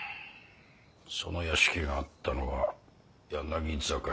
その屋敷があったのは柳坂下か。